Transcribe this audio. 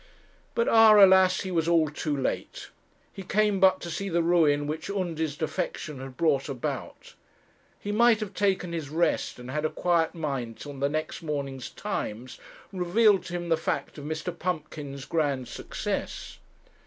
But ah! alas, he was all too late. He came but to see the ruin which Undy's defection had brought about. He might have taken his rest, and had a quiet mind till the next morning's Times revealed to him the fact of Mr. Pumpkin's grand success.